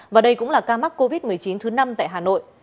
và đây cũng là ca mắc covid một mươi chín thứ năm tại hà nội